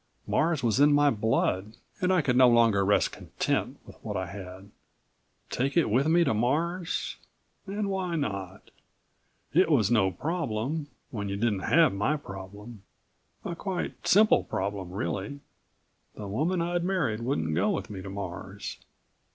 Mars was in my blood and I could no longer rest content with what I had. Take it with me to Mars? And why not? It was no problem ... when you didn't have my problem. A quite simple problem, really. The woman I'd married wouldn't go with me to Mars.